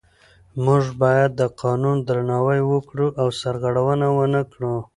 موږ باید د قانون درناوی وکړو او سرغړونه ونه کړو